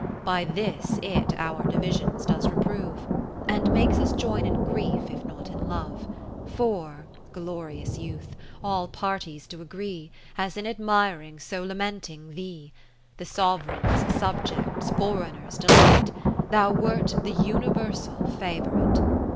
By this it our divisions does reprove. And makes us join in grief, if not in love : For (Glorious Youth !) all parties do agree. As in admiring, so lamenting Thee ; The Sovereign's, subject's, foreigner's delight ; Thou wert the Universal Favourite.